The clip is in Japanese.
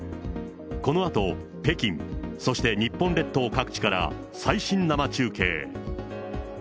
このあと、北京、そして日本列島各地から、最新生中継。